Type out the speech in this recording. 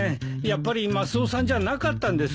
やっぱりマスオさんじゃなかったんですね。